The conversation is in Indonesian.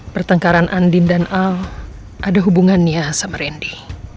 pertengkaran andin dan al ada hubungannya sama randy